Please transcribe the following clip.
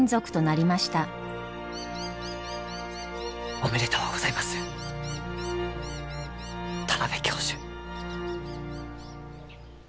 おめでとうございます田邊教授。